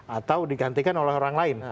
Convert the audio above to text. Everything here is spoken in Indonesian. atau digantikan oleh orang lain